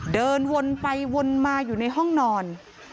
เดินวนไปวนมาอยู่ในห้องนอน